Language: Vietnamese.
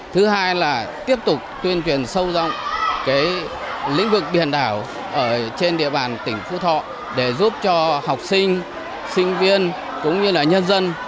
thứ hai là tiếp tục tuyên truyền sâu rộng lĩnh vực biển đảo trên địa bàn tỉnh phú thọ để giúp cho học sinh sinh viên cũng như là nhân dân